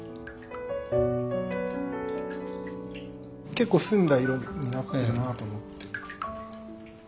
結構澄んだ色になってるなと思って。